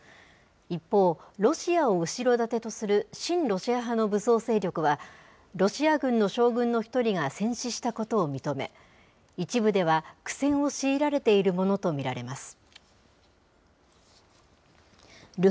一方、ロシアを後ろ盾とする親ロシア派の武装勢力は、ロシア軍の将軍の１人が戦死したことを認め、一部では苦戦を強いられているものと見られます。